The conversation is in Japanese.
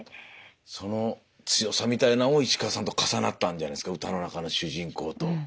その強さみたいなのも石川さんと重なったんじゃないですか歌の中の主人公と。